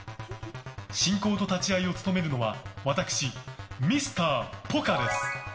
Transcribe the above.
進行と立ち会いを務めるのは私、ミスター・ポカです。